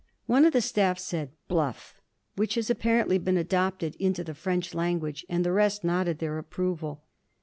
One of the staff said "Bluff!" which has apparently been adopted into the French language, and the rest nodded their approval.